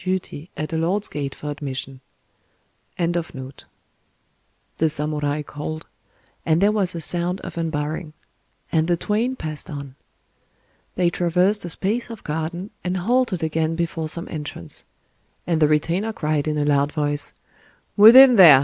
_" the samurai called,—and there was a sound of unbarring; and the twain passed on. They traversed a space of garden, and halted again before some entrance; and the retainer cried in a loud voice, "Within there!